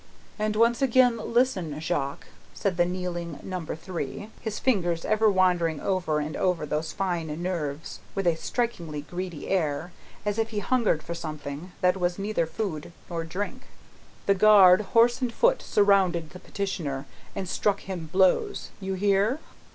"And once again listen, Jacques!" said the kneeling Number Three: his fingers ever wandering over and over those fine nerves, with a strikingly greedy air, as if he hungered for something that was neither food nor drink; "the guard, horse and foot, surrounded the petitioner, and struck him blows. You hear?"